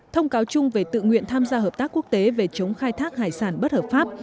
thông cáo chung về tự nguyện tham gia hợp tác quốc tế về chống khai thác hải sản bất hợp pháp